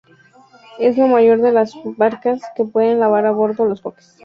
Es la mayor de las barcas que pueden llevar a bordo los buques.